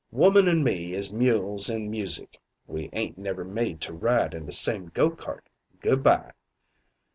Woman and me is mules an' music. We ain't never made to ride in the same go cart Good by.'